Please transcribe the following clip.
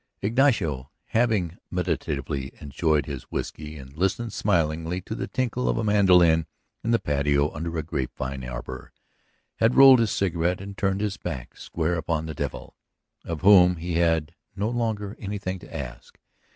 Ignacio, having meditatively enjoyed his whiskey and listened smilingly to the tinkle of a mandolin in the patio under a grape vine arbor, had rolled his cigarette and turned his back square upon the devil ... of whom he had no longer anything to ask.